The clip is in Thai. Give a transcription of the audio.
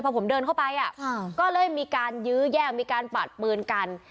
พอผมเดินเข้าไปก็เลยมีการยื้อแย่งมีการปาดปืนกัน